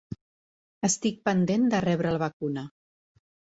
Estic pendent de rebre la vacuna